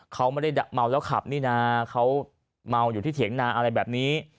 เขาไม่ได้เมาแล้วขับนี่นะเขาเมาอยู่ที่เถียงนาอะไรแบบนี้